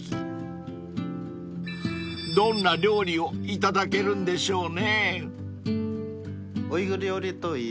［どんな料理をいただけるんでしょうね］